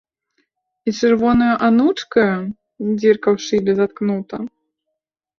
І чырвонаю анучкаю дзірка ў шыбе заткнута?